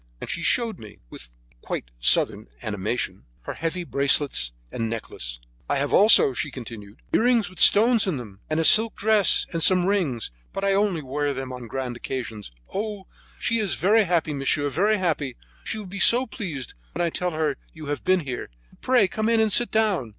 And she showed me, with quite southern animation, her heavy bracelets and necklace. "I have also," she continued, "earrings with stones in them, a silk dress, and some rings; but I only wear them on grand occasions. Oh! she is very happy, monsieur, very happy. She will be so pleased when I tell her you have been here. But pray come in and sit down.